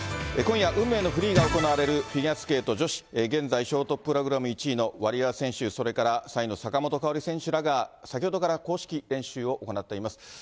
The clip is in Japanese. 今夜、運命のフリーが行われるフィギュアスケート女子、現在ショートプログラム１位のワリエワ選手、それから３位の坂本花織選手らが先ほどから公式練習を行っています。